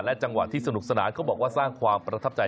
จังหวะที่สนุกสนานเขาบอกว่าสร้างความประทับใจ